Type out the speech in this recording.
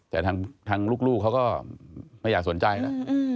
แต่ทางลูกเขาก็ไม่อยากสนใจนะ